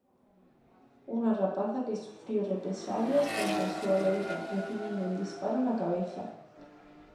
Unha rapaza que sufriu represalias contra a súa loita, recibindo un disparo na cabeza.